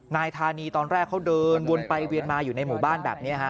นายธานีตอนแรกเขาเดินวนไปเวียนมาอยู่ในหมู่บ้านแบบนี้ฮะ